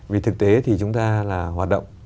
vì thực tế thì chúng ta là hoạt động